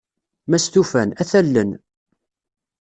Ma stufan, ad t-allen.